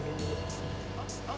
lu pergi semua